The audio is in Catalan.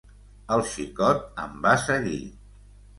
El xicot em va seguir.